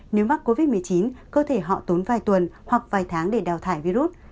nếu mắc covid một mươi chín cơ thể họ tốn vài tuần hoặc vài tháng để đào thải virus